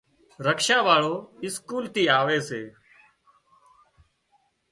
رڪشا واۯو اسڪول ٿي آوي سي۔